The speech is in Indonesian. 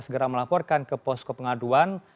segera melaporkan ke posko pengaduan